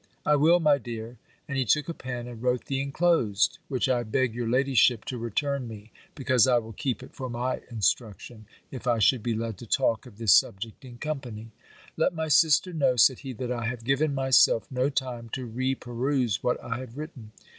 "I will, my dear;" and he took a pen, and wrote the inclosed; which I beg your ladyship to return me; because I will keep it for my instruction, if I should be led to talk of this subject in company. "Let my sister know," said he, "that I have given myself no time to re peruse what I have written.